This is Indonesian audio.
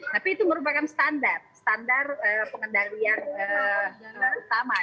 tapi itu merupakan standar standar pengendalian utama